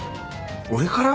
俺から？